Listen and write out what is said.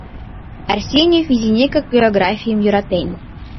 Арсеньев изинекак географийым йӧратен.